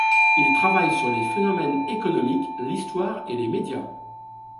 Il travaille sur les phénomènes économiques, l'histoire et les média.